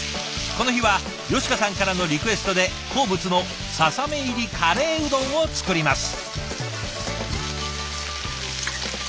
この日は佳香さんからのリクエストで好物のささみ入りカレーうどんを作ります。